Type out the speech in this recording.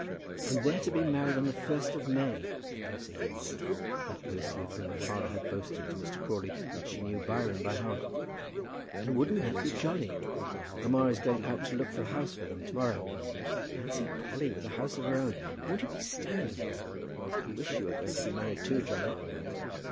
"And they're to be married on the first of May," said Lucy, that Lucy of whom her father had boasted to Mr. Crawley that she knew Byron by heart, "and won't that be jolly? Mamma is going out to look for a house for them to morrow. Fancy Polly with a house of her own! Won't it be stunning? I wish you were going to be married too, Johnny."